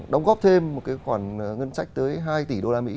đồng góp thêm một cái khoản ngân sách tới hai tỷ đô la mỹ